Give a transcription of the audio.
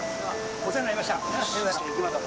お世話になりました。